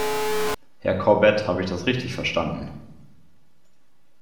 Herr Corbett, habe ich das richtig verstanden?